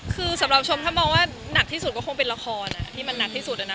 คือสำหรับชมถ้ามองว่าหนักที่สุดก็คงเป็นละครที่มันหนักที่สุด